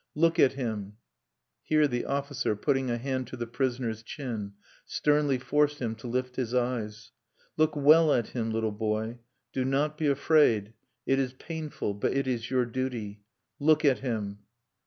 Look at him [here the officer, putting a hand to the prisoner's chin, sternly forced him to lift his eyes] look well at him, little boy! Do not be afraid. It is painful; but it is your duty. Look at him!"